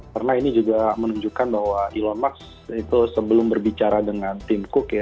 karena ini juga menunjukkan bahwa elon musk itu sebelum berbicara dengan tim cook